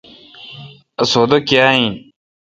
اسودہ کیا این۔